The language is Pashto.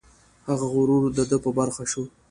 هغه غرور د ده په برخه شو.